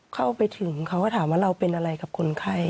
เข้าไปถึงเขาก็ถามว่าเราเป็นอะไรกับคนไข้